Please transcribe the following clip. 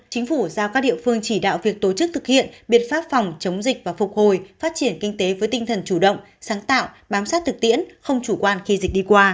chính phủ giao các địa phương chỉ đạo việc tổ chức thực hiện biện pháp phòng chống dịch và phục hồi phát triển kinh tế với tinh thần chủ động sáng tạo bám sát thực tiễn không chủ quan khi dịch đi qua